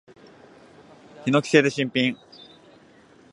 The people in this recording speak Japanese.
ヒノキ製で新品。